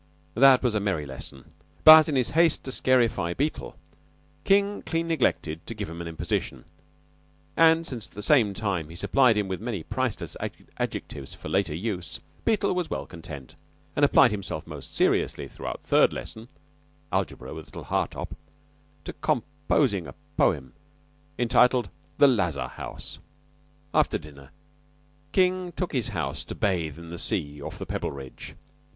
That was a merry lesson, but, in his haste to scarify Beetle, King clean neglected to give him an imposition, and since at the same time he supplied him with many priceless adjectives for later use, Beetle was well content, and applied himself most seriously throughout third lesson (algebra with little Hartopp) to composing a poem entitled "The Lazar house." After dinner King took his house to bathe in the sea off the Pebbleridge.